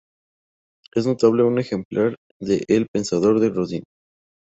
Es notable un ejemplar de El pensador de Rodin.